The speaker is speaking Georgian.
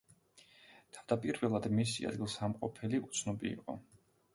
თავდაპირველად მისი ადგილსამყოფელი უცნობი იყო.